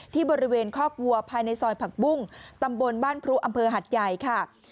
ที่บริเวณคอกวัวภายในซอยผักบุ้งตำบลบ้านพรุอำเภอหัดใหญ่ค่ะ